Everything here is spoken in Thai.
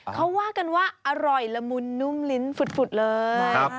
เขาว่ากันว่าอร่อยละมุนนุ่มลิ้นฝุดเลย